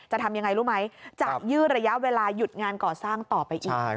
จะทำยังไงรู้ไหมจะยืดระยะเวลาหยุดงานก่อสร้างต่อไปอีก